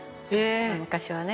昔はね。